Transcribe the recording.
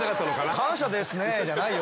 「感謝ですね」じゃないよ。